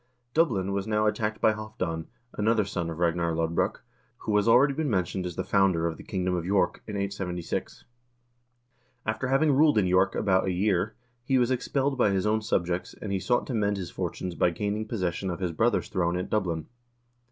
Dublin was now attacked by Halvdan, another son of Ragnar Lodbrok, who has already been mentioned as the founder of the king dom of York, in 876. After having ruled in York about a year, he was expelled by his own subjects, and he sought to mend his fortunes by gaining possession of his brother's throne at Dublin.